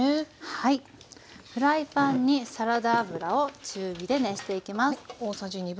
はいフライパンにサラダ油を中火で熱していきます。